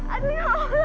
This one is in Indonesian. aduh ya allah